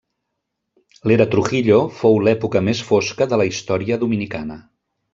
L'Era Trujillo fou l'època més fosca de la història dominicana.